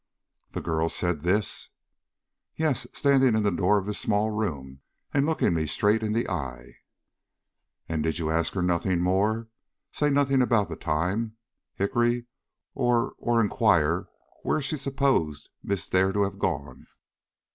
"The girl said this?" "Yes, standing in the door of this small room, and looking me straight in the eye." "And did you ask her nothing more? Say nothing about the time, Hickory, or or inquire where she supposed Miss Dare to have gone?"